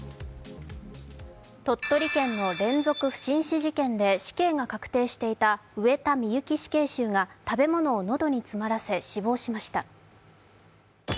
鳥取県の連続不審死事件で死刑が確定していた上田美由紀死刑囚が食べ物を喉に詰まらせ死亡しました。